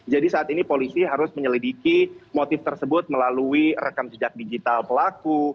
jadi saat ini polisi harus menyelidiki motif tersebut melalui rekam jejak digital pelaku